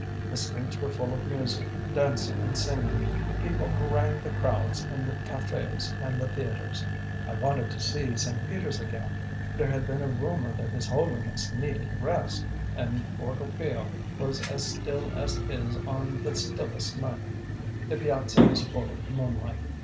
The streets were full of music, dancing, and singing; people harangued the crowds in the cafes and the theatres. "I wanted to see St. Peter's again. There had been a rumor that His Holiness needed rest, and Borgo Pio was as still as it is on the stillest night. The piazza was full of moonlight.